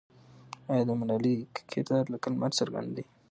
آیا د ملالۍ کردار لکه لمر څرګند دی؟